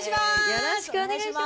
よろしくお願いします。